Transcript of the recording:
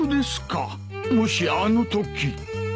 もしやあのとき。